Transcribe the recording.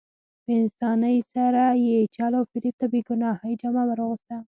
په اسانۍ سره یې چل او فریب ته د بې ګناهۍ جامه ور اغوسته.